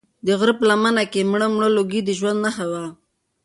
د غره په لمنه کې مړ مړ لوګی د ژوند نښه وه.